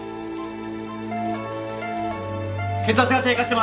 血圧が低下してます。